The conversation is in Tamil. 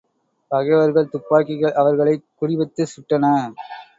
பகைவர்கள் துப்பாக்கிகள் அவர்களைக் குறிவைத்துச் சுட்டன.